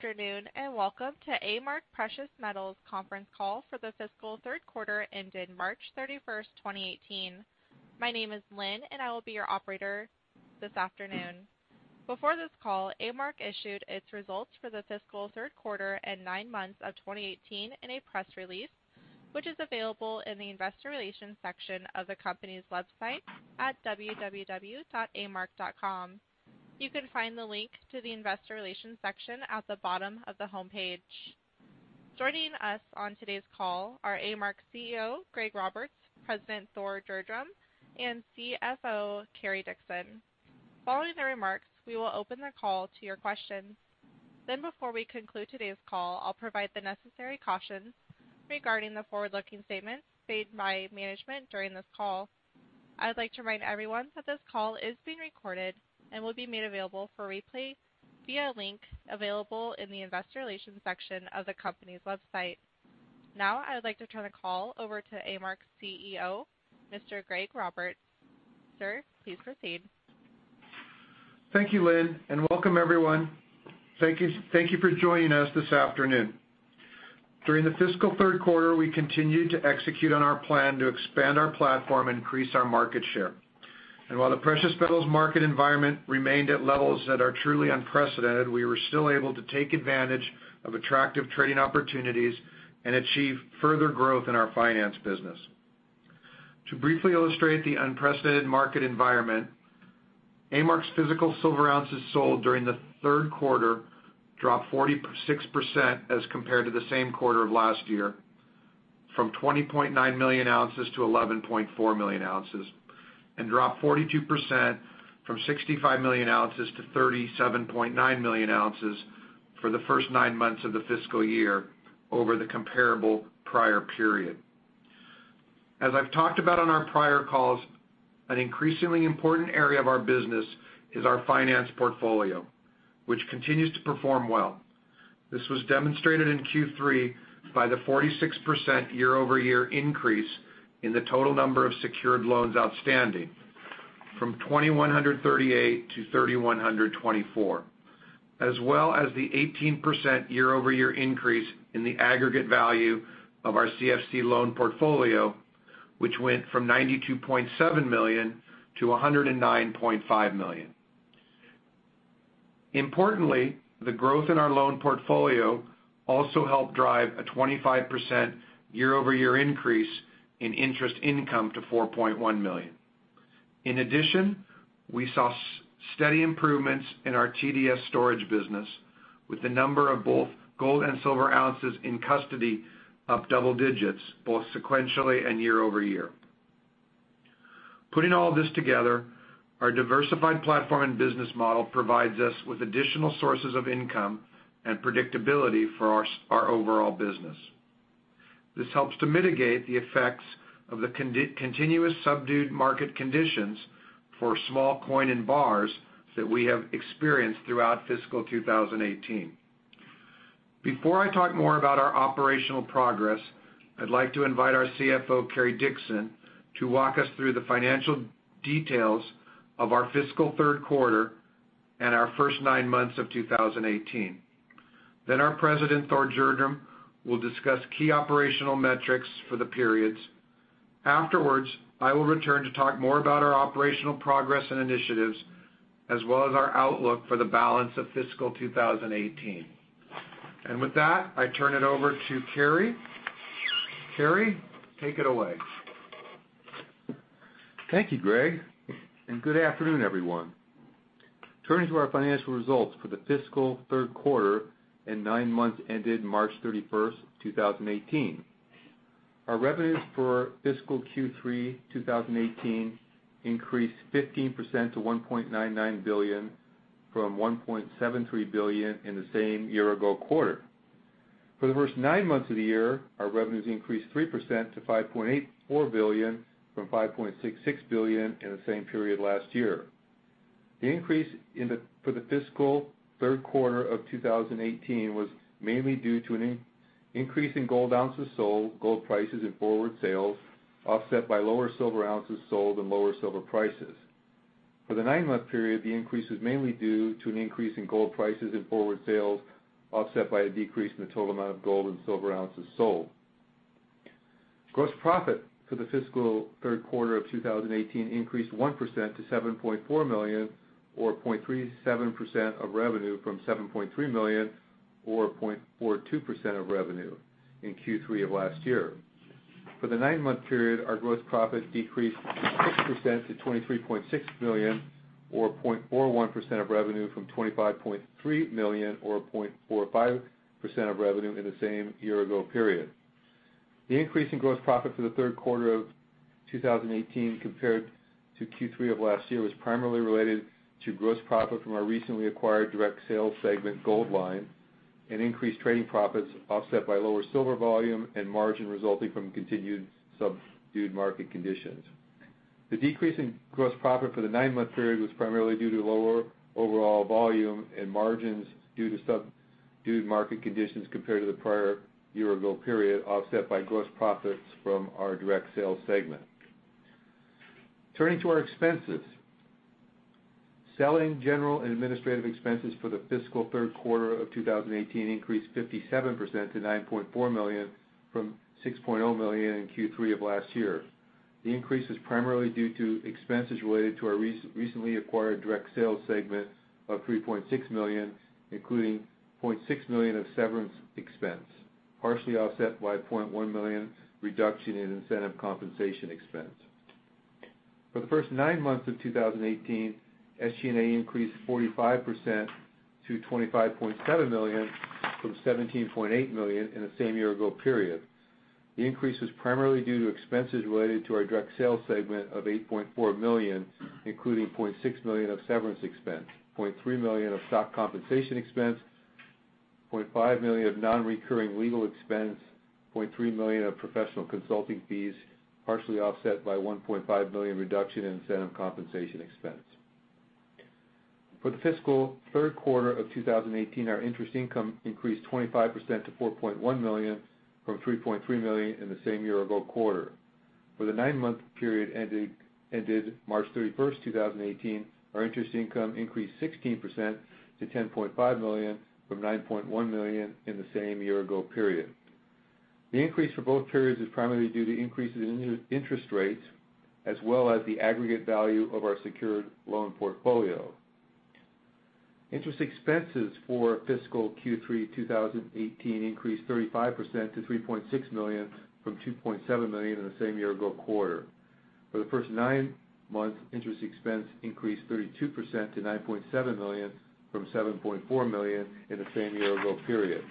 Good afternoon, welcome to A-Mark Precious Metals conference call for the fiscal third quarter ended March 31st, 2018. My name is Lynn, I will be your operator this afternoon. Before this call, A-Mark issued its results for the fiscal third quarter and nine months of 2018 in a press release, which is available in the investor relations section of the company's website at www.amark.com. You can find the link to the investor relations section at the bottom of the homepage. Joining us on today's call are A-Mark CEO, Greg Roberts, President Thor Gjerdrum, and CFO Cary Dickson. Following their remarks, we will open the call to your questions. Before we conclude today's call, I'll provide the necessary cautions regarding the forward-looking statements made by management during this call. I'd like to remind everyone that this call is being recorded and will be made available for replay via a link available in the investor relations section of the company's website. I would like to turn the call over to A-Mark's CEO, Mr. Greg Roberts. Sir, please proceed. Thank you, Lynn, welcome everyone. Thank you for joining us this afternoon. During the fiscal third quarter, we continued to execute on our plan to expand our platform and increase our market share. While the precious metals market environment remained at levels that are truly unprecedented, we were still able to take advantage of attractive trading opportunities and achieve further growth in our finance business. To briefly illustrate the unprecedented market environment, A-Mark's physical silver ounces sold during the third quarter dropped 46% as compared to the same quarter of last year, from 20.9 million ounces to 11.4 million ounces, and dropped 42% from 65 million ounces to 37.9 million ounces for the first nine months of the fiscal year over the comparable prior period. As I've talked about on our prior calls, an increasingly important area of our business is our finance portfolio, which continues to perform well. This was demonstrated in Q3 by the 46% year-over-year increase in the total number of secured loans outstanding, from 2,138 to 3,124. As well as the 18% year-over-year increase in the aggregate value of our CFC loan portfolio, which went from $92.7 million to $109.5 million. Importantly, the growth in our loan portfolio also helped drive a 25% year-over-year increase in interest income to $4.1 million. In addition, we saw steady improvements in our TDS storage business with the number of both gold and silver ounces in custody up double digits, both sequentially and year-over-year. Putting all this together, our diversified platform and business model provides us with additional sources of income and predictability for our overall business. This helps to mitigate the effects of the continuous subdued market conditions for small coin and bars that we have experienced throughout fiscal 2018. Before I talk more about our operational progress, I'd like to invite our CFO, Cary Dickson, to walk us through the financial details of our fiscal third quarter and our first nine months of 2018. Our president, Thor Gjerdrum, will discuss key operational metrics for the periods. Afterwards, I will return to talk more about our operational progress and initiatives, as well as our outlook for the balance of fiscal 2018. With that, I turn it over to Cary. Cary, take it away. Thank you, Greg, and good afternoon, everyone. Turning to our financial results for the fiscal third quarter and nine months ended March 31st, 2018. Our revenues for fiscal Q3 2018 increased 15% to $1.99 billion from $1.73 billion in the same year-ago quarter. For the first nine months of the year, our revenues increased 3% to $5.84 billion from $5.66 billion in the same period last year. The increase for the fiscal third quarter of 2018 was mainly due to an increase in gold ounces sold, gold prices, and forward sales, offset by lower silver ounces sold and lower silver prices. For the nine-month period, the increase was mainly due to an increase in gold prices and forward sales, offset by a decrease in the total amount of gold and silver ounces sold. Gross profit for the fiscal third quarter of 2018 increased 1% to $7.4 million, or 0.37% of revenue from $7.3 million or 0.42% of revenue in Q3 of last year. For the nine-month period, our gross profit decreased 6% to $23.6 million, or 0.41% of revenue from $25.3 million or 0.45% of revenue in the same year-ago period. The increase in gross profit for the third quarter of 2018 compared to Q3 of last year was primarily related to gross profit from our recently acquired direct sales segment, Goldline, and increased trading profits offset by lower silver volume and margin resulting from continued subdued market conditions. The decrease in gross profit for the nine-month period was primarily due to lower overall volume and margins due to subdued market conditions compared to the prior year-ago period, offset by gross profits from our direct sales segment. Turning to our expenses. Selling general and administrative expenses for the fiscal third quarter of 2018 increased 57% to $9.4 million from $6.0 million in Q3 of last year. The increase is primarily due to expenses related to our recently acquired direct sales segment of $3.6 million, including $0.6 million of severance expense, partially offset by $0.1 million reduction in incentive compensation expense. For the first nine months of 2018, SG&A increased 45% to $25.7 million from $17.8 million in the same year-ago period. The increase was primarily due to expenses related to our direct sales segment of $8.4 million, including $0.6 million of severance expense, $0.3 million of stock compensation expense, $0.5 million of non-recurring legal expense, $0.3 million of professional consulting fees, partially offset by $1.5 million reduction in incentive compensation expense. For the fiscal third quarter of 2018, our interest income increased 25% to $4.1 million from $3.3 million in the same year-ago quarter. For the nine-month period ended March 31st, 2018, our interest income increased 16% to $10.5 million from $9.1 million in the same year-ago period. The increase for both periods is primarily due to increases in interest rates, as well as the aggregate value of our secured loan portfolio. Interest expenses for fiscal Q3 2018 increased 35% to $3.6 million from $2.7 million in the same year-ago quarter. For the first nine months, interest expense increased 32% to $9.7 million from $7.4 million in the same year-ago period.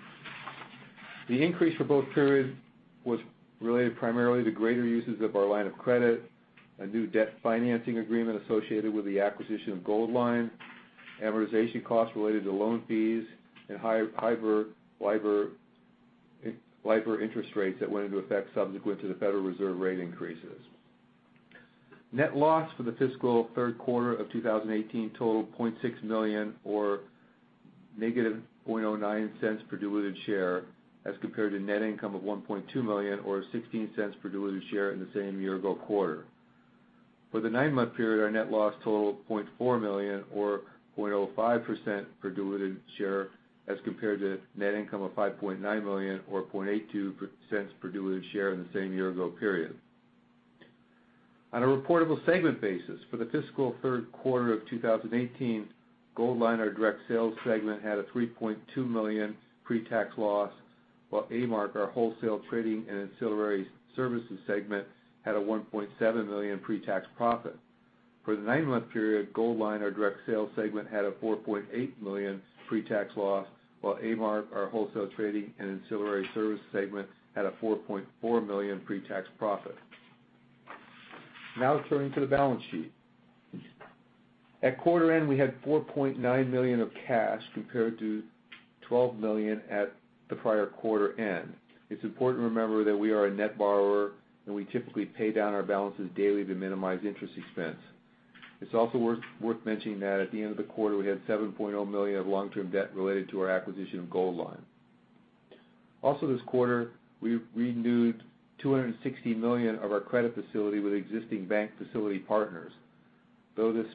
The increase for both periods was related primarily to greater uses of our line of credit, a new debt financing agreement associated with the acquisition of Goldline, amortization costs related to loan fees, and LIBOR interest rates that went into effect subsequent to the Federal Reserve rate increases. Net loss for the fiscal third quarter of 2018 totaled $0.6 million, or negative $0.09 per diluted share, as compared to net income of $1.2 million or $0.16 per diluted share in the same year-ago quarter. For the nine-month period, our net loss totaled $0.4 million or $0.05 per diluted share as compared to net income of $5.9 million or $0.82 per diluted share in the same year-ago period. On a reportable segment basis for the fiscal third quarter of 2018, Goldline, our direct sales segment, had a $3.2 million pre-tax loss, while A-Mark, our wholesale trading and ancillary services segment, had a $1.7 million pre-tax profit. For the nine-month period, Goldline, our direct sales segment, had a $4.8 million pre-tax loss, while A-Mark, our wholesale trading and ancillary service segment, had a $4.4 million pre-tax profit. Now turning to the balance sheet. At quarter end, we had $4.9 million of cash compared to $12 million at the prior quarter end. It's important to remember that we are a net borrower, and we typically pay down our balances daily to minimize interest expense. It's also worth mentioning that at the end of the quarter, we had $7.0 million of long-term debt related to our acquisition of Goldline. Also this quarter, we renewed $260 million of our credit facility with existing bank facility partners. Though this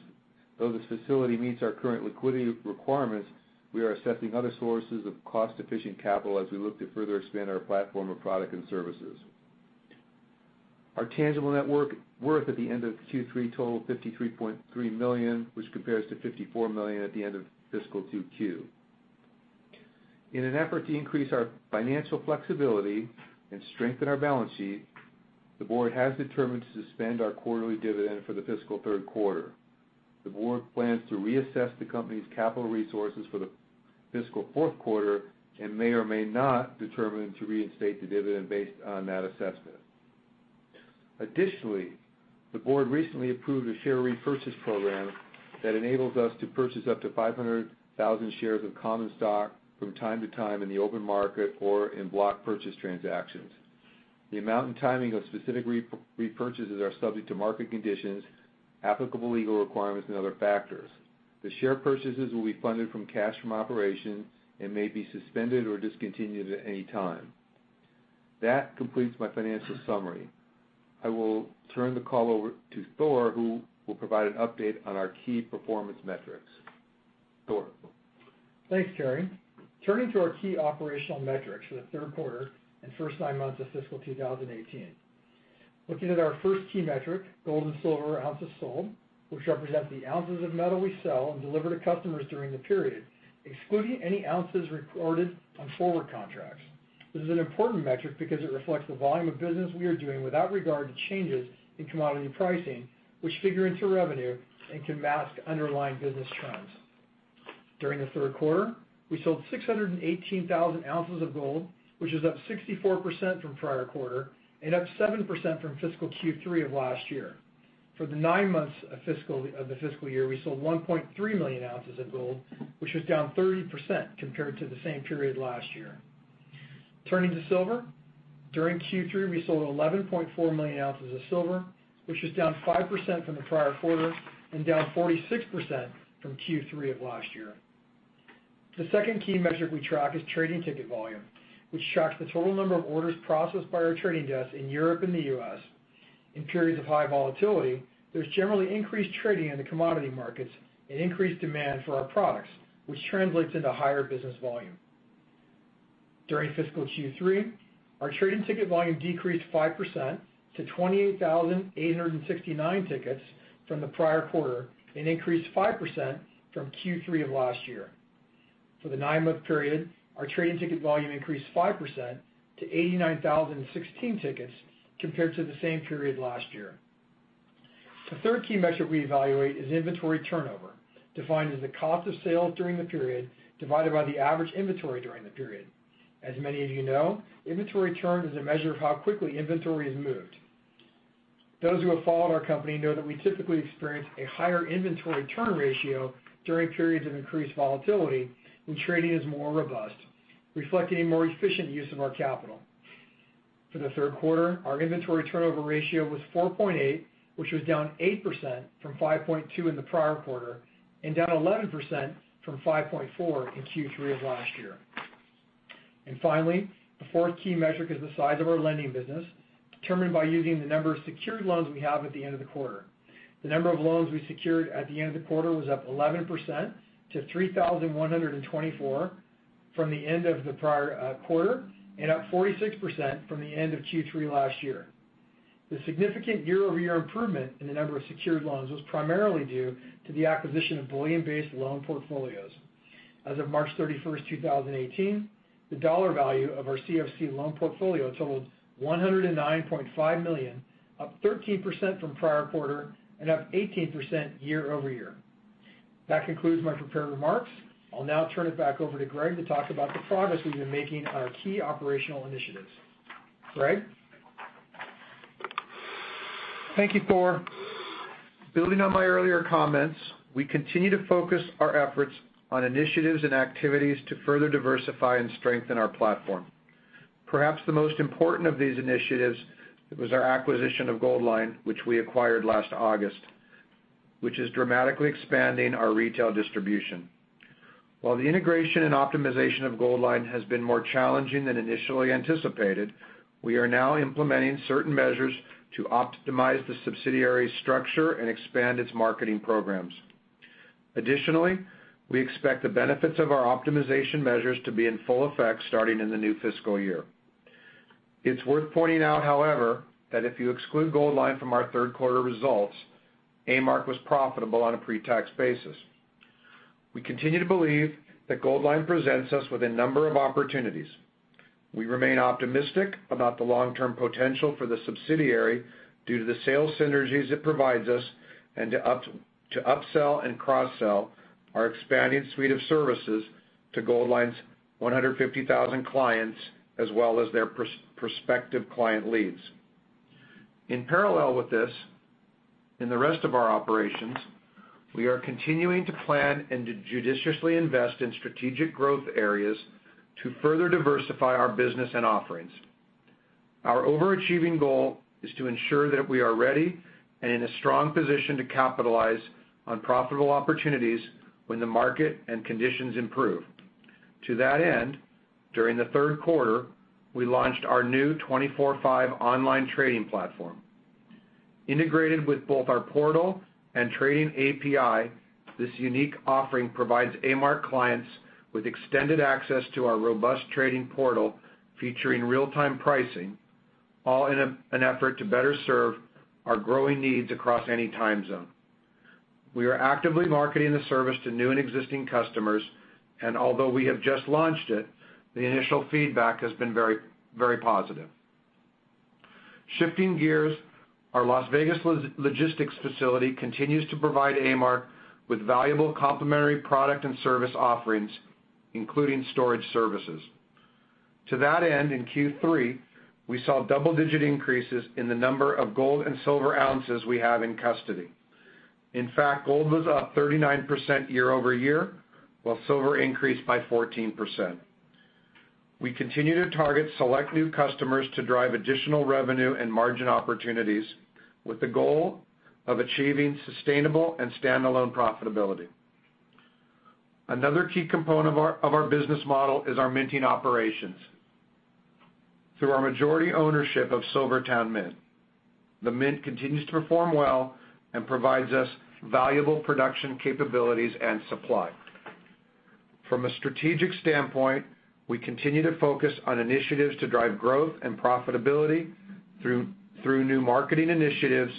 facility meets our current liquidity requirements, we are assessing other sources of cost-efficient capital as we look to further expand our platform of product and services. Our tangible net worth at the end of Q3 totaled $53.3 million, which compares to $54 million at the end of fiscal 2Q. In an effort to increase our financial flexibility and strengthen our balance sheet, the board has determined to suspend our quarterly dividend for the fiscal third quarter. The board plans to reassess the company's capital resources for the fiscal fourth quarter and may or may not determine to reinstate the dividend based on that assessment. Additionally, the board recently approved a share repurchase program that enables us to purchase up to 500,000 shares of common stock from time to time in the open market or in block purchase transactions. The amount and timing of specific repurchases are subject to market conditions, applicable legal requirements, and other factors. The share purchases will be funded from cash from operations and may be suspended or discontinued at any time. That completes my financial summary. I will turn the call over to Thor, who will provide an update on our key performance metrics. Thor. Thanks, Cary. Turning to our key operational metrics for the third quarter and first nine months of fiscal 2018. Looking at our first key metric, gold and silver ounces sold, which represent the ounces of metal we sell and deliver to customers during the period, excluding any ounces recorded on forward contracts. This is an important metric because it reflects the volume of business we are doing without regard to changes in commodity pricing, which figure into revenue and can mask underlying business trends. During the third quarter, we sold 618,000 ounces of gold, which is up 64% from prior quarter and up 7% from fiscal Q3 of last year. For the nine months of the fiscal year, we sold 1.3 million ounces of gold, which was down 30% compared to the same period last year. Turning to silver, during Q3, we sold 11.4 million ounces of silver, which is down 5% from the prior quarter and down 46% from Q3 of last year. The second key metric we track is trading ticket volume, which tracks the total number of orders processed by our trading desks in Europe and the U.S. In periods of high volatility, there's generally increased trading in the commodity markets and increased demand for our products, which translates into higher business volume. During fiscal Q3, our trading ticket volume decreased 5% to 28,869 tickets from the prior quarter, and increased 5% from Q3 of last year. For the nine-month period, our trading ticket volume increased 5% to 89,016 tickets compared to the same period last year. The third key metric we evaluate is inventory turnover, defined as the cost of sales during the period divided by the average inventory during the period. As many of you know, inventory turn is a measure of how quickly inventory is moved. Those who have followed our company know that we typically experience a higher inventory turn ratio during periods of increased volatility when trading is more robust, reflecting a more efficient use of our capital. For the third quarter, our inventory turnover ratio was 4.8, which was down 8% from 5.2 in the prior quarter, and down 11% from 5.4 in Q3 of last year. Finally, the fourth key metric is the size of our lending business, determined by using the number of secured loans we have at the end of the quarter. The number of loans we secured at the end of the quarter was up 11% to 3,124 from the end of the prior quarter, and up 46% from the end of Q3 last year. The significant year-over-year improvement in the number of secured loans was primarily due to the acquisition of bullion-based loan portfolios. As of March 31st, 2018, the dollar value of our CFC loan portfolio totaled $109.5 million, up 13% from prior quarter and up 18% year-over-year. That concludes my prepared remarks. I'll now turn it back over to Greg to talk about the progress we've been making on our key operational initiatives. Greg? Thank you, Thor. Building on my earlier comments, we continue to focus our efforts on initiatives and activities to further diversify and strengthen our platform. Perhaps the most important of these initiatives was our acquisition of Goldline, which we acquired last August, which is dramatically expanding our retail distribution. While the integration and optimization of Goldline has been more challenging than initially anticipated, we are now implementing certain measures to optimize the subsidiary's structure and expand its marketing programs. Additionally, we expect the benefits of our optimization measures to be in full effect starting in the new fiscal year. It's worth pointing out, however, that if you exclude Goldline from our third quarter results, A-Mark was profitable on a pre-tax basis. We continue to believe that Goldline presents us with a number of opportunities. We remain optimistic about the long-term potential for the subsidiary due to the sales synergies it provides us, and to upsell and cross-sell our expanding suite of services to Goldline's 150,000 clients, as well as their prospective client leads. In parallel with this, in the rest of our operations, we are continuing to plan and to judiciously invest in strategic growth areas to further diversify our business and offerings. Our overachieving goal is to ensure that we are ready and in a strong position to capitalize on profitable opportunities when the market and conditions improve. To that end, during the third quarter, we launched our new 24/5 online trading platform. Integrated with both our portal and trading API, this unique offering provides A-Mark clients with extended access to our robust trading portal featuring real-time pricing, all in an effort to better serve our growing needs across any time zone. We are actively marketing the service to new and existing customers, and although we have just launched it, the initial feedback has been very positive. Shifting gears, our Las Vegas logistics facility continues to provide A-Mark with valuable complementary product and service offerings, including storage services. To that end, in Q3, we saw double-digit increases in the number of gold and silver ounces we have in custody. In fact, gold was up 39% year-over-year, while silver increased by 14%. We continue to target select new customers to drive additional revenue and margin opportunities, with the goal of achieving sustainable and standalone profitability. Another key component of our business model is our minting operations through our majority ownership of SilverTowne Mint. The mint continues to perform well and provides us valuable production capabilities and supply. From a strategic standpoint, we continue to focus on initiatives to drive growth and profitability through new marketing initiatives,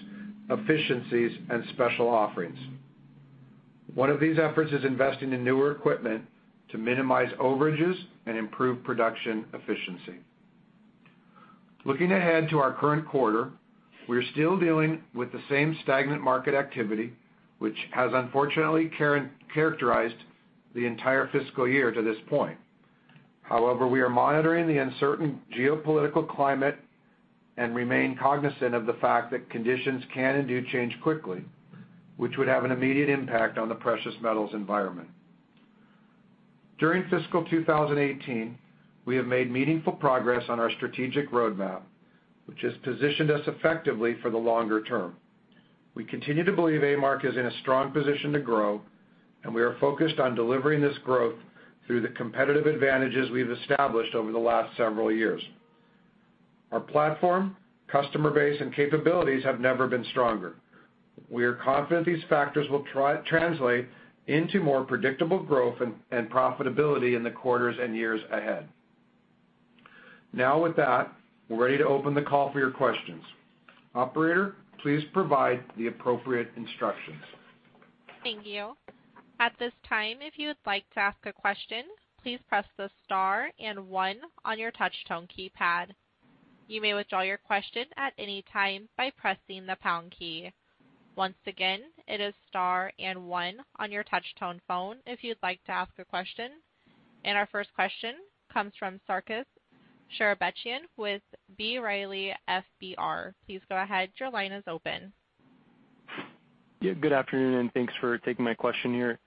efficiencies, and special offerings. One of these efforts is investing in newer equipment to minimize overages and improve production efficiency. Looking ahead to our current quarter, we are still dealing with the same stagnant market activity, which has unfortunately characterized the entire fiscal year to this point. However, we are monitoring the uncertain geopolitical climate and remain cognizant of the fact that conditions can and do change quickly, which would have an immediate impact on the precious metals environment. During fiscal 2018, we have made meaningful progress on our strategic roadmap, which has positioned us effectively for the longer term. We continue to believe A-Mark is in a strong position to grow, and we are focused on delivering this growth through the competitive advantages we've established over the last several years. Our platform, customer base, and capabilities have never been stronger. We are confident these factors will translate into more predictable growth and profitability in the quarters and years ahead. With that, we're ready to open the call for your questions. Operator, please provide the appropriate instructions. Thank you. At this time, if you would like to ask a question, please press the star and one on your touchtone keypad. You may withdraw your question at any time by pressing the pound key. Once again, it is star and one on your touchtone phone if you would like to ask a question. Our first question comes from Sarkis Sherbetchyan with B. Riley FBR. Please go ahead. Your line is open. Good afternoon, and thanks for taking my question here.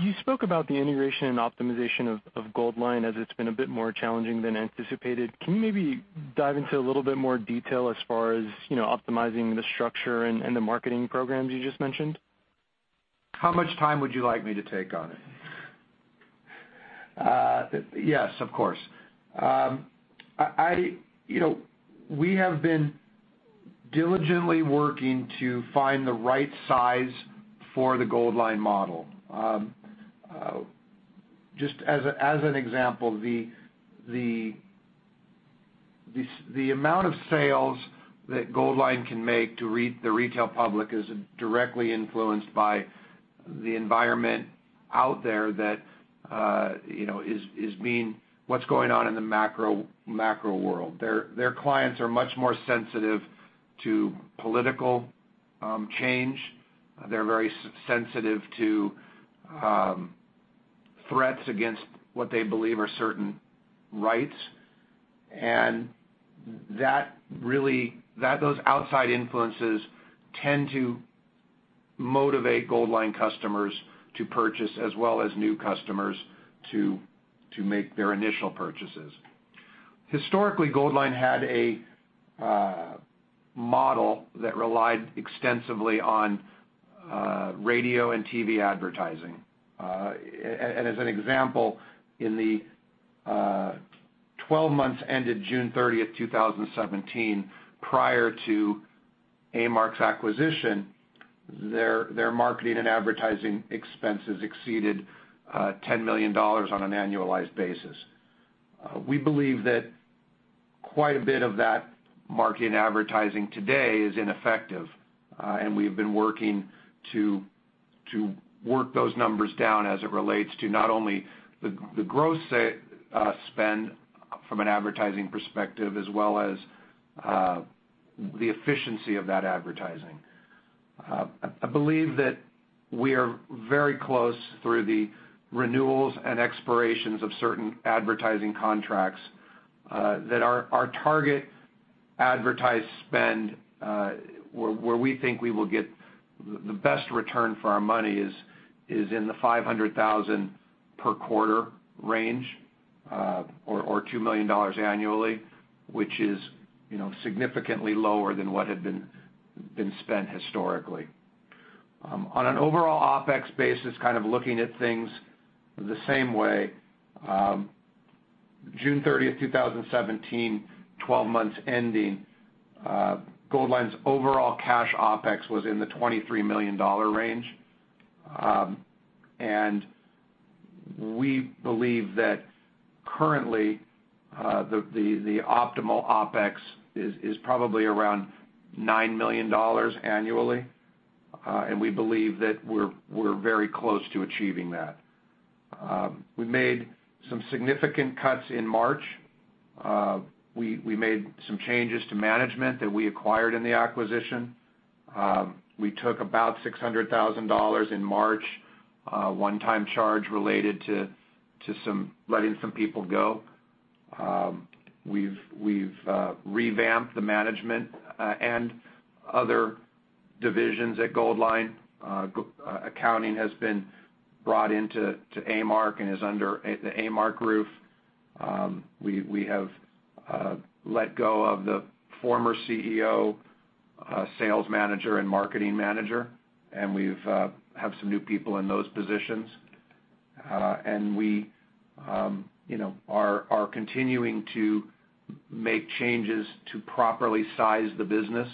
You spoke about the integration and optimization of Goldline as it's been a bit more challenging than anticipated. Can you maybe dive into a little bit more detail as far as optimizing the structure and the marketing programs you just mentioned? How much time would you like me to take on it? Yes, of course. We have been diligently working to find the right size for the Goldline model. Just as an example, the amount of sales that Goldline can make to the retail public is directly influenced by the environment out there that is what's going on in the macro world. Their clients are much more sensitive to political change. They're very sensitive to threats against what they believe are certain rights. Those outside influences tend to motivate Goldline customers to purchase as well as new customers to make their initial purchases. Historically, Goldline had a model that relied extensively on radio and TV advertising. As an example, in the 12 months ended June 30th, 2017, prior to A-Mark's acquisition, their marketing and advertising expenses exceeded $10 million on an annualized basis. We believe that quite a bit of that marketing advertising today is ineffective. We have been working to work those numbers down as it relates to not only the gross spend from an advertising perspective, as well as the efficiency of that advertising. I believe that we are very close through the renewals and expirations of certain advertising contracts that our target advertised spend where we think we will get the best return for our money is in the $500,000 per quarter range or $2 million annually, which is significantly lower than what had been spent historically. On an overall OpEx basis, kind of looking at things the same way, June 30th, 2017, 12 months ending, Goldline's overall cash OpEx was in the $23 million range. We believe that currently, the optimal OpEx is probably around $9 million annually. We believe that we're very close to achieving that. We made some significant cuts in March. We made some changes to management that we acquired in the acquisition. We took about $600,000 in March, a one-time charge related to letting some people go. We've revamped the management and other divisions at Goldline. Accounting has been brought into A-Mark and is under the A-Mark roof. We have let go of the former CEO, sales manager, and marketing manager. We have some new people in those positions. We are continuing to make changes to properly size the business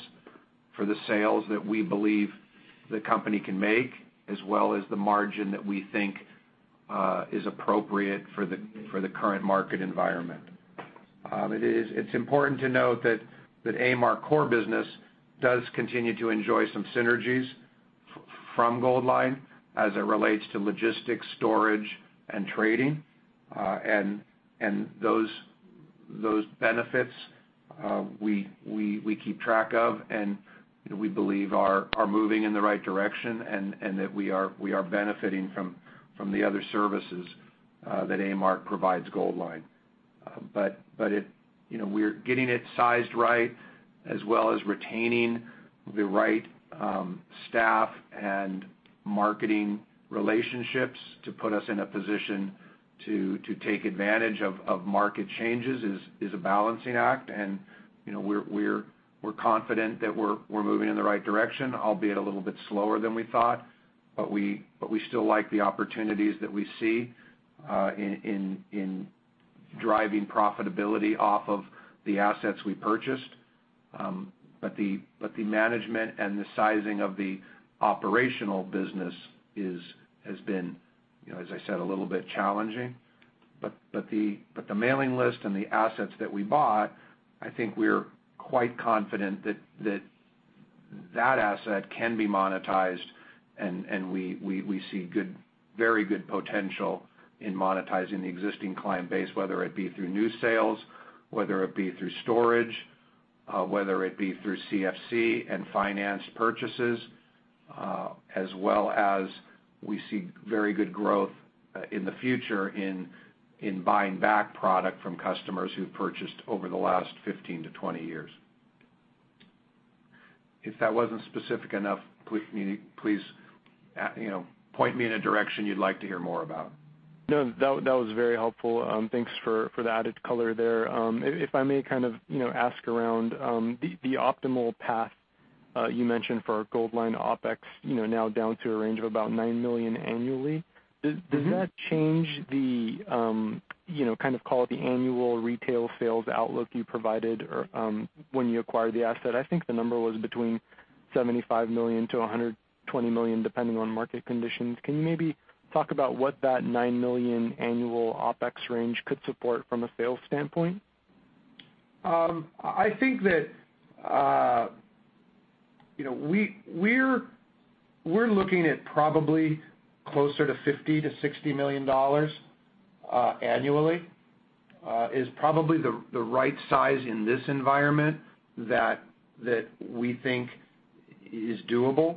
for the sales that we believe the company can make, as well as the margin that we think is appropriate for the current market environment. It's important to note that A-Mark core business does continue to enjoy some synergies from Goldline as it relates to logistics, storage, and trading. Those benefits we keep track of and we believe are moving in the right direction and that we are benefiting from the other services that A-Mark provides Goldline. We're getting it sized right as well as retaining the right staff and Marketing relationships to put us in a position to take advantage of market changes is a balancing act. We're confident that we're moving in the right direction, albeit a little bit slower than we thought. We still like the opportunities that we see in driving profitability off of the assets we purchased. The management and the sizing of the operational business has been, as I said, a little bit challenging. The mailing list and the assets that we bought, I think we're quite confident that that asset can be monetized and we see very good potential in monetizing the existing client base, whether it be through new sales, whether it be through storage, whether it be through CFC and finance purchases, as well as we see very good growth in the future in buying back product from customers who've purchased over the last 15 to 20 years. If that wasn't specific enough, please point me in a direction you'd like to hear more about. No, that was very helpful. Thanks for the added color there. If I may kind of ask around the optimal path you mentioned for Goldline OpEx, now down to a range of about $9 million annually. Does that change the, kind of, call it the annual retail sales outlook you provided or when you acquired the asset? I think the number was between $75 million-$120 million, depending on market conditions. Can you maybe talk about what that $9 million annual OpEx range could support from a sales standpoint? I think that we're looking at probably closer to $50 million-$60 million annually, is probably the right size in this environment that we think is doable.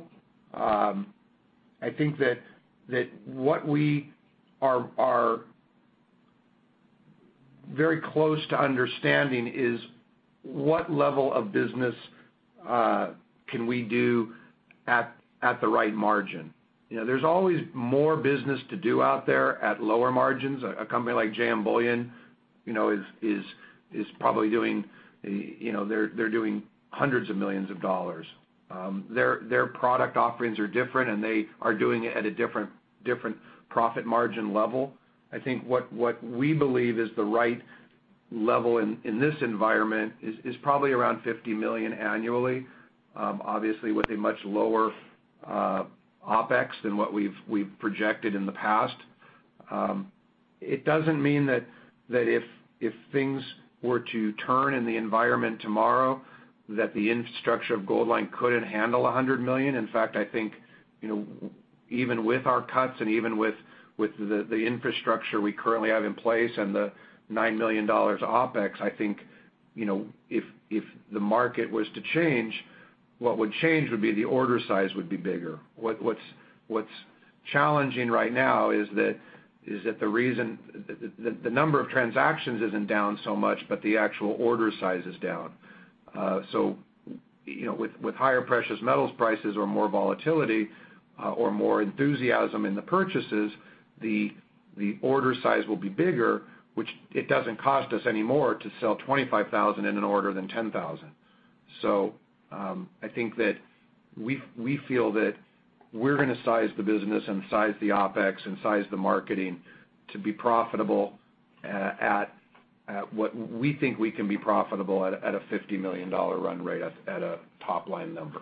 I think that what we are very close to understanding is what level of business can we do at the right margin. There's always more business to do out there at lower margins. A company like JM Bullion, they're doing hundreds of millions of dollars. Their product offerings are different, and they are doing it at a different profit margin level. I think what we believe is the right level in this environment is probably around $50 million annually. Obviously, with a much lower OpEx than what we've projected in the past. It doesn't mean that if things were to turn in the environment tomorrow, that the infrastructure of Goldline couldn't handle $100 million. In fact, even with our cuts and even with the infrastructure we currently have in place and the $9 million OpEx, I think, if the market was to change, what would change would be the order size would be bigger. What's challenging right now is that the number of transactions isn't down so much, but the actual order size is down. With higher precious metals prices or more volatility or more enthusiasm in the purchases, the order size will be bigger, which it doesn't cost us any more to sell 25,000 in an order than 10,000. I think that we feel that we're going to size the business and size the OpEx and size the marketing to be profitable at what we think we can be profitable at a $50 million run rate at a top-line number.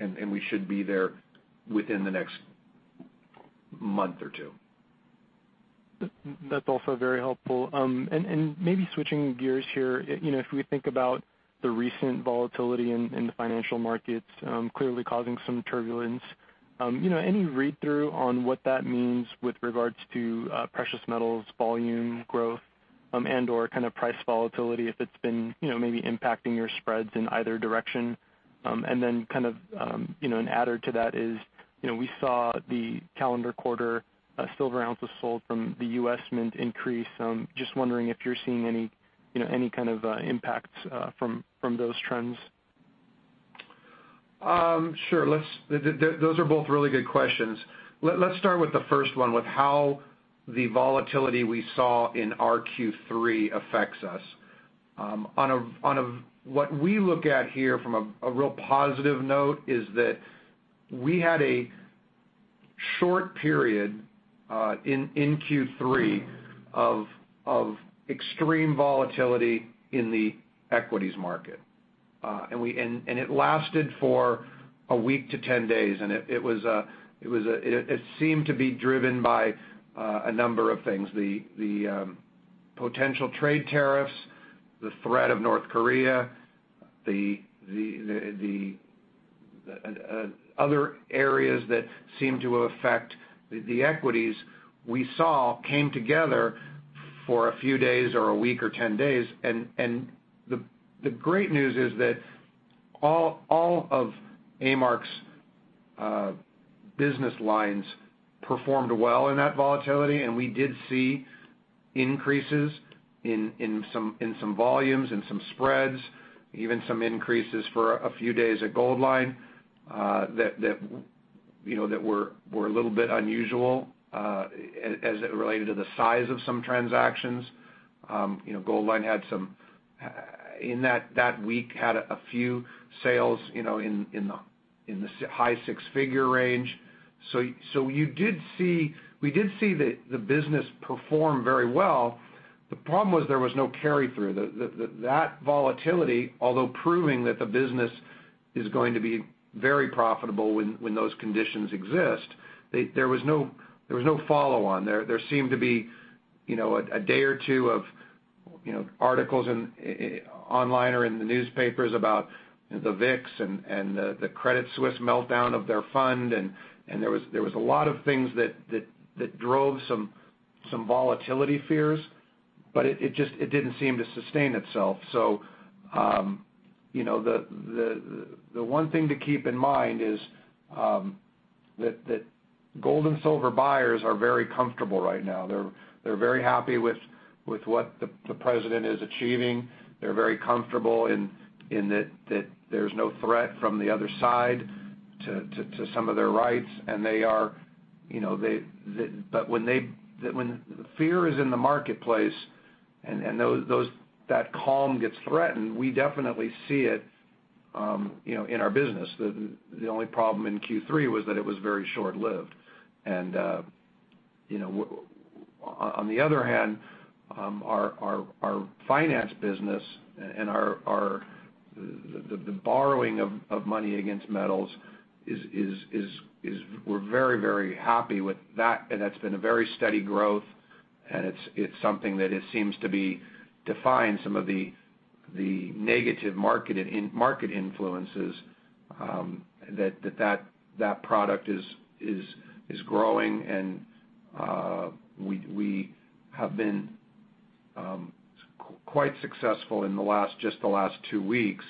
We should be there within the next month or two. That's also very helpful. Maybe switching gears here, if we think about the recent volatility in the financial markets, clearly causing some turbulence. Any read-through on what that means with regards to precious metals volume growth and/or kind of price volatility, if it's been maybe impacting your spreads in either direction? Kind of an adder to that is we saw the calendar quarter silver ounces sold from the U.S. Mint increase. Just wondering if you're seeing any kind of impacts from those trends. Sure. Those are both really good questions. Let's start with the first one, with how the volatility we saw in our Q3 affects us. What we look at here from a real positive note is that we had a short period in Q3 of extreme volatility in the equities market. It lasted for a week to 10 days, and it seemed to be driven by a number of things. The potential trade tariffs, the threat of North Korea, the other areas that seem to affect the equities we saw came together for a few days or a week or 10 days, and the great news is that all of A-Mark's business lines performed well in that volatility, and we did see increases in some volumes and some spreads, even some increases for a few days at Goldline that were a little bit unusual, as it related to the size of some transactions. Goldline, in that week, had a few sales in the high six-figure range. We did see the business perform very well. The problem was there was no carry-through. That volatility, although proving that the business is going to be very profitable when those conditions exist, there was no follow-on. There seemed to be a day or two of articles online or in the newspapers about the VIX and the Credit Suisse meltdown of their fund, there was a lot of things that drove some volatility fears, but it didn't seem to sustain itself. The one thing to keep in mind is that gold and silver buyers are very comfortable right now. They're very happy with what the president is achieving. They're very comfortable in that there's no threat from the other side to some of their rights. When fear is in the marketplace and that calm gets threatened, we definitely see it in our business. The only problem in Q3 was that it was very short-lived. On the other hand, our finance business and the borrowing of money against metals, we're very, very happy with that, and that's been a very steady growth, and it's something that it seems to be defying some of the negative market influences, that product is growing, and we have been quite successful in just the last two weeks,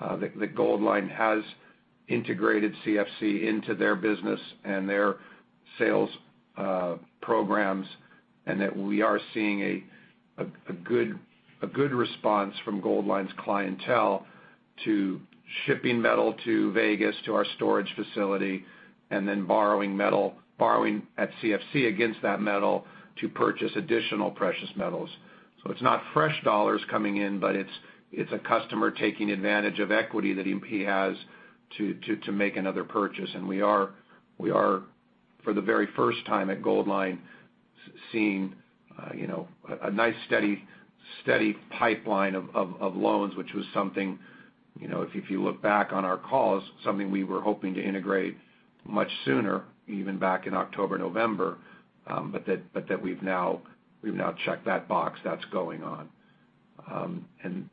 that Goldline has integrated CFC into their business and their sales programs, and that we are seeing a good response from Goldline's clientele to shipping metal to Vegas to our storage facility, and then borrowing at CFC against that metal to purchase additional precious metals. It's not fresh dollars coming in, but it's a customer taking advantage of equity that MP has to make another purchase. We are, for the very first time at Goldline, seeing a nice steady pipeline of loans, which was something, if you look back on our calls, something we were hoping to integrate much sooner, even back in October, November, but that we've now checked that box. That's going on. Can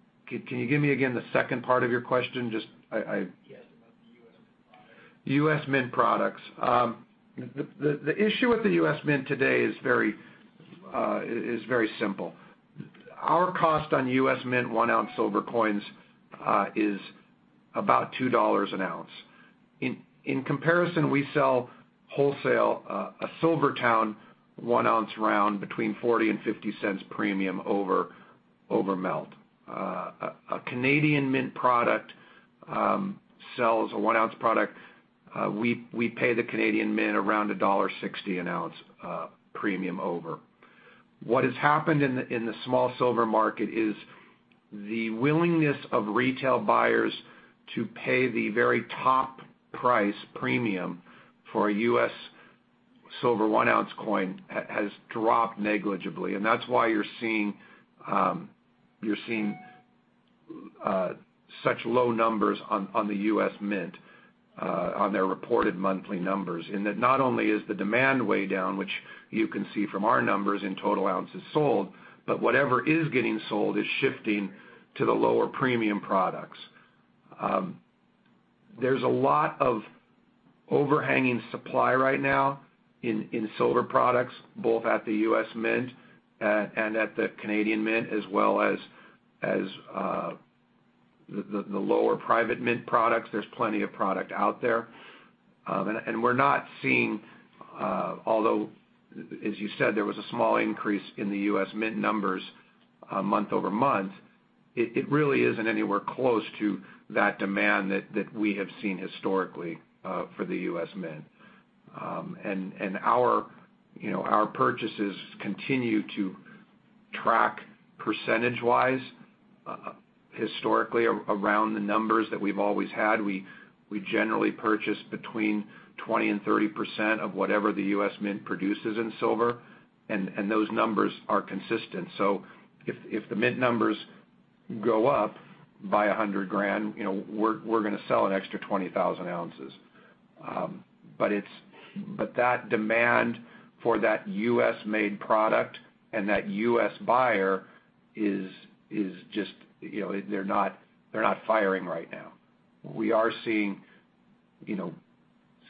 you give me again the second part of your question? Yes, about the US Mint products. US Mint products. The issue with the US Mint today is very simple. Our cost on US Mint one-ounce silver coins is about $2 an ounce. In comparison, we sell wholesale a SilverTowne one-ounce round between $0.40 and $0.50 premium over melt. A Canadian Mint product sells a one-ounce product. We pay the Canadian Mint around $1.60 an ounce, premium over. What has happened in the small silver market is the willingness of retail buyers to pay the very top price premium for a U.S. silver one-ounce coin has dropped negligibly. That's why you're seeing such low numbers on the U.S. Mint on their reported monthly numbers, in that not only is the demand way down, which you can see from our numbers in total ounces sold, but whatever is getting sold is shifting to the lower premium products. There's a lot of overhanging supply right now in silver products, both at the U.S. Mint and at the Canadian Mint, as well as the lower private mint products. There's plenty of product out there. We're not seeing, although, as you said, there was a small increase in the U.S. Mint numbers month-over-month, it really isn't anywhere close to that demand that we have seen historically for the U.S. Mint. Our purchases continue to track percentage-wise, historically, around the numbers that we've always had. We generally purchase between 20%-30% of whatever the U.S. Mint produces in silver, and those numbers are consistent. If the Mint numbers go up by $100,000, we're going to sell an extra 20,000 ounces. That demand for that U.S.-made product and that U.S. buyer is just they're not firing right now. We are seeing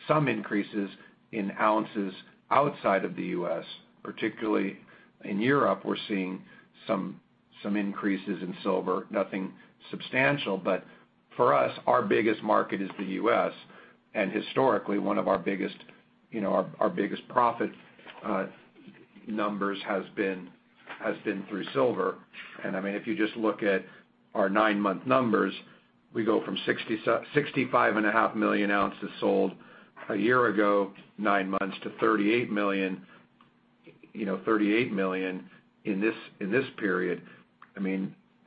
some increases in ounces outside of the U.S. Particularly in Europe, we're seeing some increases in silver, nothing substantial. For us, our biggest market is the U.S. Historically, one of our biggest profit numbers has been through silver. If you just look at our nine-month numbers, we go from 65.5 million ounces sold a year ago, nine months, to 38 million in this period.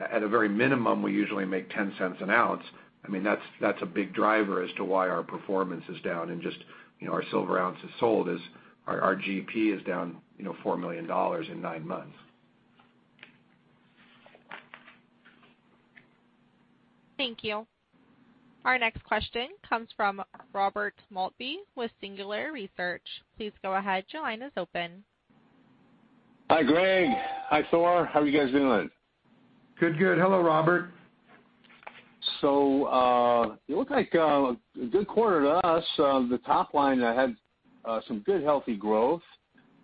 At a very minimum, we usually make $0.10 an ounce. That's a big driver as to why our performance is down and just our silver ounces sold is our GP is down $4 million in nine months. Thank you. Our next question comes from Robert Maltbie with Singular Research. Please go ahead, your line is open. Hi, Greg. Hi, Thor. How are you guys doing? Good. Hello, Robert. It looked like a good quarter to us. The top line had some good, healthy growth.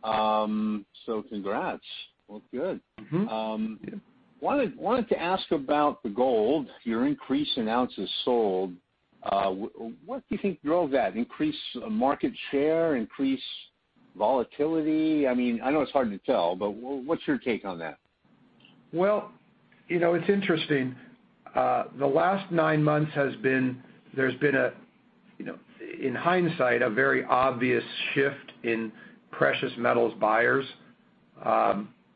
Congrats. Good. I wanted to ask about the gold, your increase in ounces sold. What do you think drove that? Increased market share? Increased volatility? I know it's hard to tell, but what's your take on that? Well, it's interesting. The last nine months, there's been a, in hindsight, a very obvious shift in precious metals buyers.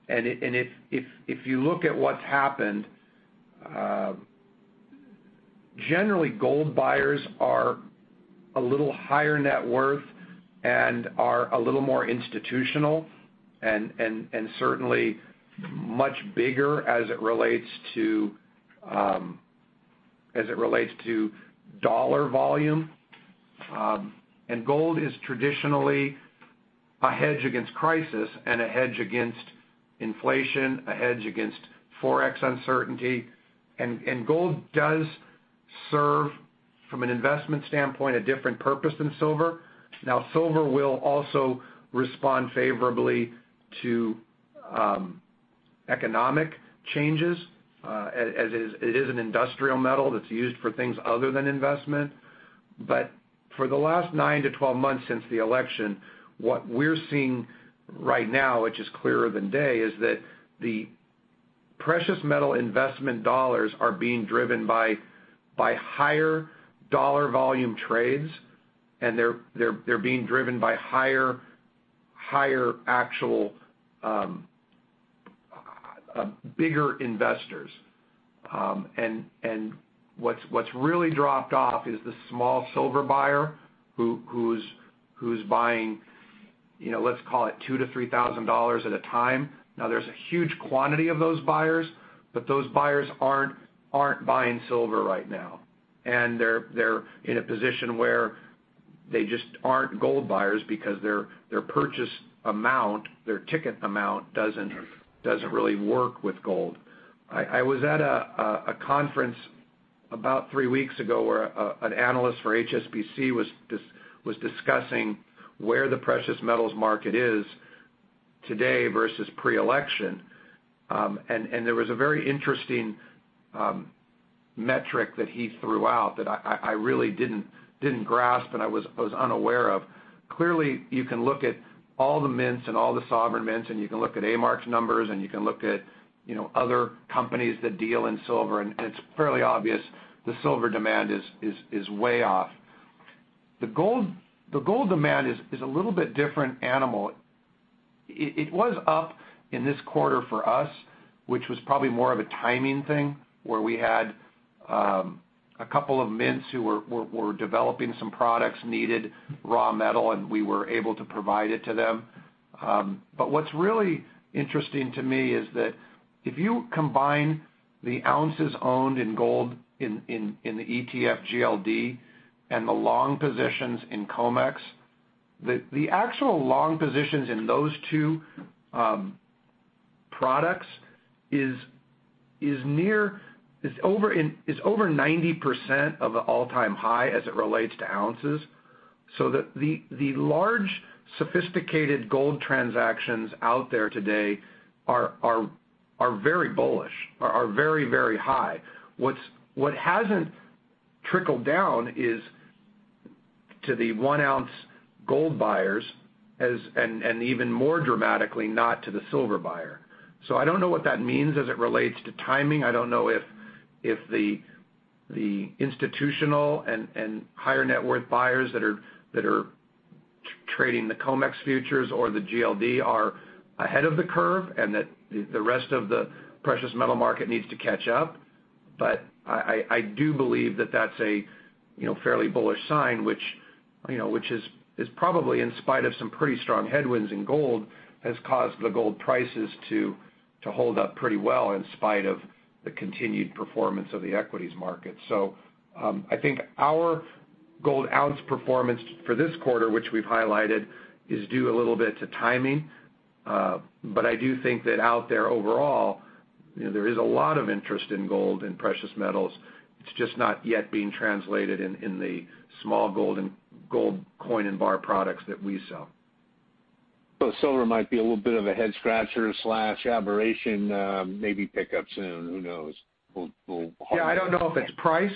If you look at what's happened, generally gold buyers are a little higher net worth and are a little more institutional and certainly much bigger as it relates to dollar volume. Gold is traditionally a hedge against crisis and a hedge against inflation, a hedge against forex uncertainty. Gold does serve, from an investment standpoint, a different purpose than silver. Silver will also respond favorably to economic changes, as it is an industrial metal that's used for things other than investment. For the last nine to 12 months since the election, what we're seeing right now, which is clearer than day, is that the precious metal investment dollars are being driven by higher dollar volume trades, and they're being driven by higher actual bigger investors. What's really dropped off is the small silver buyer who's buying, let's call it $2,000 to $3,000 at a time. There's a huge quantity of those buyers, those buyers aren't buying silver right now. They're in a position where they just aren't gold buyers because their purchase amount, their ticket amount, doesn't really work with gold. I was at a conference about three weeks ago where an analyst for HSBC was discussing where the precious metals market is today versus pre-election. There was a very interesting metric that he threw out that I really didn't grasp and I was unaware of. Clearly, you can look at all the mints and all the sovereign mints, you can look at A-Mark's numbers, you can look at other companies that deal in silver, it's fairly obvious the silver demand is way off. The gold demand is a little bit different animal. It was up in this quarter for us, which was probably more of a timing thing, where we had a couple of mints who were developing some products, needed raw metal, and we were able to provide it to them. What's really interesting to me is that if you combine the ounces owned in gold in the ETF GLD and the long positions in COMEX, the actual long positions in those two products is over 90% of the all-time high as it relates to ounces. The large, sophisticated gold transactions out there today are very bullish, are very high. What hasn't trickled down is to the one-ounce gold buyers, and even more dramatically, not to the silver buyer. I don't know what that means as it relates to timing. I don't know if the institutional and higher net worth buyers that are trading the COMEX futures or the GLD are ahead of the curve and that the rest of the precious metal market needs to catch up. I do believe that that's a fairly bullish sign, which is probably in spite of some pretty strong headwinds in gold, has caused the gold prices to hold up pretty well in spite of the continued performance of the equities market. I think our gold ounce performance for this quarter, which we've highlighted, is due a little bit to timing. I do think that out there overall, there is a lot of interest in gold and precious metals. It's just not yet being translated in the small gold coin and bar products that we sell. Silver might be a little bit of a head-scratcher or aberration, maybe pick up soon. Who knows? I don't know if it's price.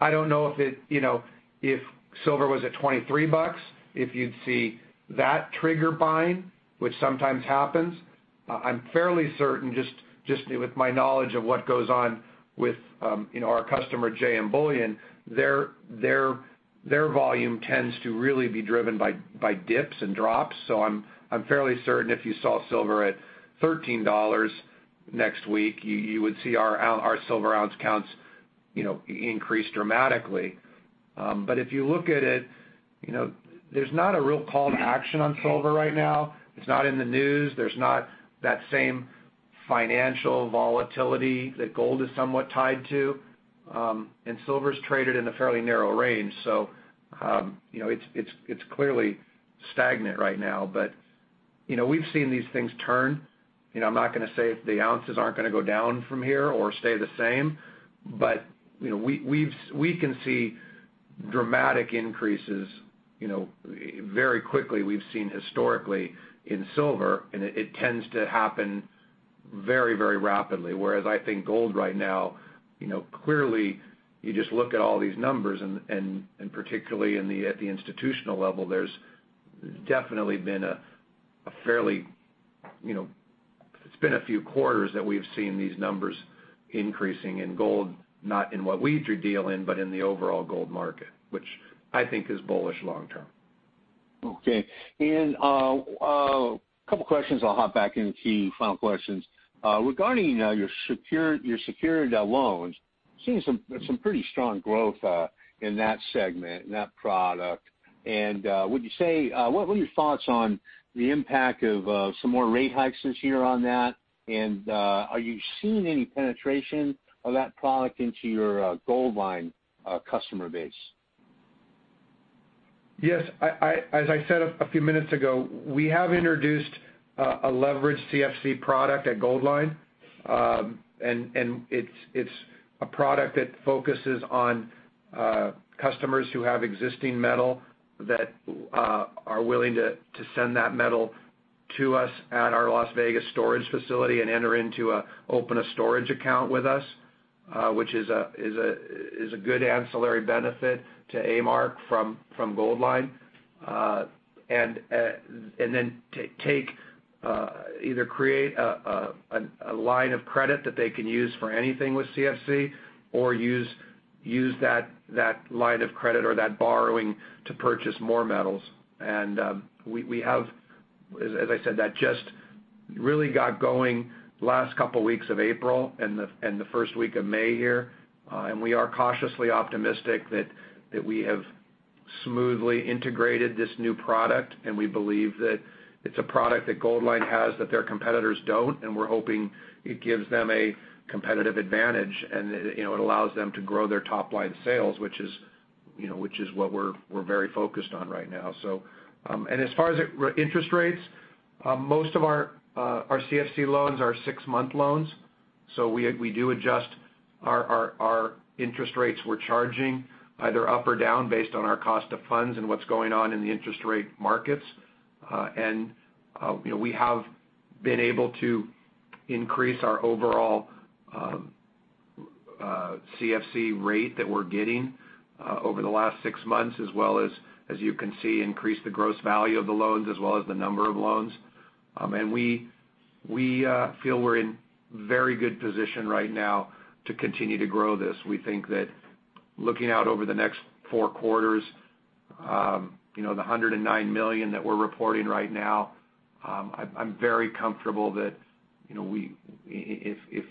I don't know if silver was at $23, if you'd see that trigger buying, which sometimes happens. I'm fairly certain, just with my knowledge of what goes on with our customer, JM Bullion, their volume tends to really be driven by dips and drops. I'm fairly certain if you saw silver at $13 next week, you would see our silver ounce counts increase dramatically. If you look at it, there's not a real call to action on silver right now. It's not in the news. There's not that same financial volatility that gold is somewhat tied to. Silver's traded in a fairly narrow range. It's clearly stagnant right now. We've seen these things turn, I'm not going to say the ounces aren't going to go down from here or stay the same, but we can see dramatic increases very quickly, we've seen historically in silver, and it tends to happen very rapidly. Whereas I think gold right now, clearly you just look at all these numbers and particularly at the institutional level, there's definitely, it's been a few quarters that we've seen these numbers increasing in gold, not in what we deal in, but in the overall gold market, which I think is bullish long-term. Okay. A couple questions I'll hop back in key, final questions. Regarding your secured loans, seeing some pretty strong growth in that segment, in that product. What are your thoughts on the impact of some more rate hikes this year on that? Are you seeing any penetration of that product into your Goldline customer base? Yes, as I said a few minutes ago, we have introduced a leveraged CFC product at Goldline. It's a product that focuses on customers who have existing metal that are willing to send that metal to us at our Las Vegas storage facility and open a storage account with us, which is a good ancillary benefit to A-Mark from Goldline. Then either create a line of credit that they can use for anything with CFC or use that line of credit or that borrowing to purchase more metals. We have, as I said, that just really got going last couple of weeks of April and the first week of May here. We are cautiously optimistic that we have smoothly integrated this new product, and we believe that it's a product that Goldline has that their competitors don't, and we're hoping it gives them a competitive advantage, and it allows them to grow their top-line sales, which is what we're very focused on right now. As far as interest rates, most of our CFC loans are six-month loans. We do adjust our interest rates we're charging, either up or down based on our cost of funds and what's going on in the interest rate markets. We have been able to increase our overall CFC rate that we're getting over the last six months as well as you can see, increase the gross value of the loans as well as the number of loans. We feel we're in very good position right now to continue to grow this. We think that looking out over the next four quarters, the $109 million that we're reporting right now, I'm very comfortable that if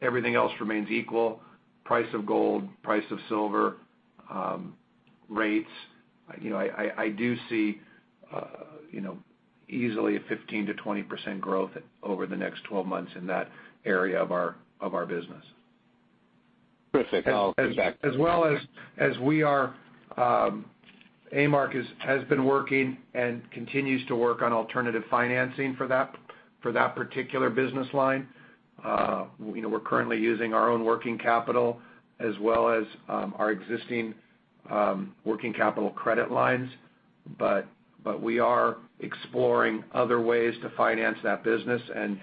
everything else remains equal, price of gold, price of silver, rates, I do see easily a 15%-20% growth over the next 12 months in that area of our business. Perfect. I'll come back to that. A-Mark has been working and continues to work on alternative financing for that particular business line. We're currently using our own working capital as well as our existing working capital credit lines. We are exploring other ways to finance that business and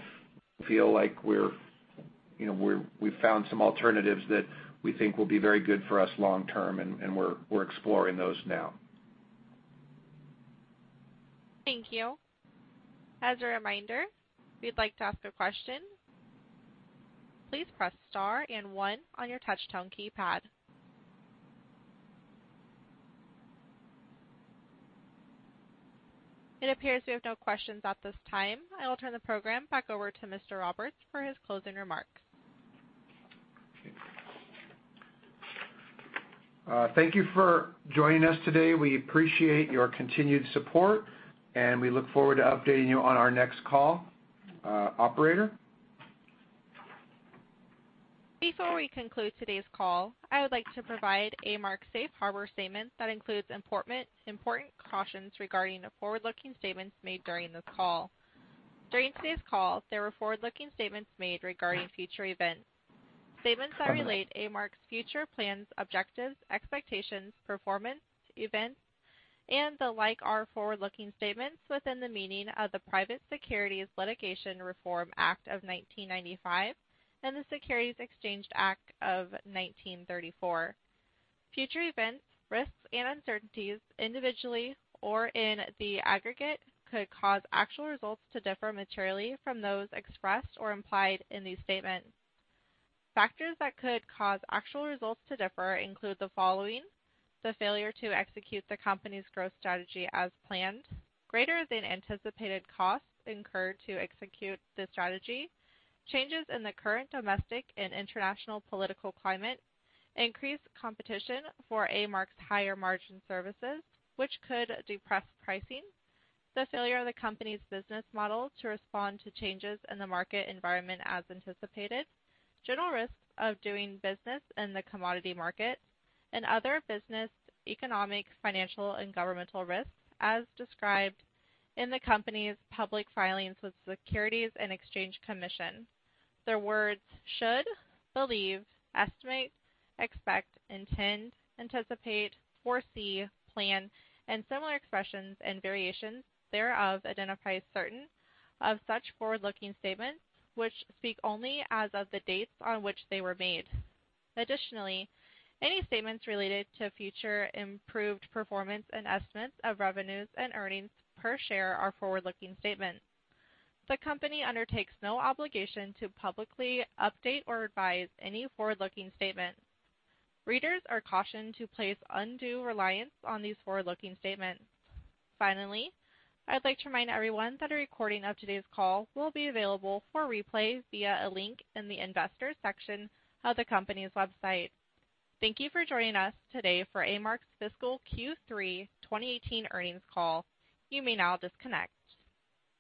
feel like we've found some alternatives that we think will be very good for us long-term, and we're exploring those now. Thank you. As a reminder, if you'd like to ask a question, please press star and one on your touch tone keypad. It appears we have no questions at this time. I will turn the program back over to Mr. Roberts for his closing remarks. Thank you for joining us today. We appreciate your continued support. We look forward to updating you on our next call. Operator? Before we conclude today's call, I would like to provide A-Mark's safe harbor statement that includes important cautions regarding the forward-looking statements made during this call. During today's call, there were forward-looking statements made regarding future events. Statements that relate A-Mark's future plans, objectives, expectations, performance, events, and the like are forward-looking statements within the meaning of the Private Securities Litigation Reform Act of 1995 and the Securities Exchange Act of 1934. Future events, risks, and uncertainties, individually or in the aggregate, could cause actual results to differ materially from those expressed or implied in these statements. Factors that could cause actual results to differ include the following, the failure to execute the company's growth strategy as planned, greater than anticipated costs incurred to execute the strategy, changes in the current domestic and international political climate, increased competition for A-Mark's higher margin services, which could depress pricing, the failure of the company's business model to respond to changes in the market environment as anticipated, general risks of doing business in the commodity market, and other business, economic, financial, and governmental risks as described in the company's public filings with Securities and Exchange Commission. The words should, believe, estimate, expect, intend, anticipate, foresee, plan, and similar expressions and variations thereof identify certain of such forward-looking statements, which speak only as of the dates on which they were made. Additionally, any statements related to future improved performance and estimates of revenues and earnings per share are forward-looking statements. The company undertakes no obligation to publicly update or revise any forward-looking statements. Readers are cautioned to place undue reliance on these forward-looking statements. Finally, I'd like to remind everyone that a recording of today's call will be available for replay via a link in the investors section of the company's website. Thank you for joining us today for A-Mark's fiscal Q3 2018 earnings call. You may now disconnect.